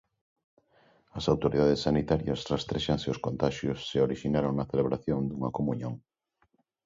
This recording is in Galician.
As autoridades sanitarias rastrexan se os contaxios se orixinaron na celebración dunha comuñón.